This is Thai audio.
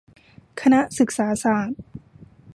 คณะศึกษาศาสตร์